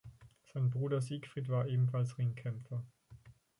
Sein Bruder Siegfried war ebenfalls Ringkämpfer.